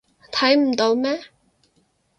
睇唔到咩？